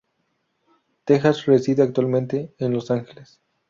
Texas reside actualmente en Los Ángeles.